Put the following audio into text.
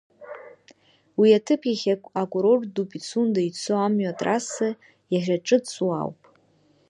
Уи аҭыԥ иахьа акурорт ду Пицунда ицо амҩа атрасса иахьаҿыҵуа ауп.